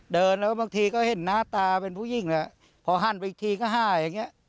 เดินแล้วบางทีก็เห็นหน้าตาเป็นผู้ยิ่งแหละพอหั่นไปอีกทีก็ห้าอย่างเงี้ย